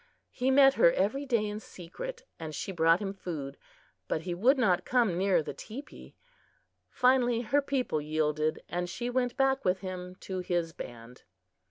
He met her every day in secret and she brought him food, but he would not come near the teepee. Finally her people yielded, and she went back with him to his band.